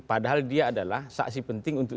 padahal dia adalah saksi penting untuk